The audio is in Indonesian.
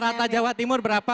rata jawa timur berapa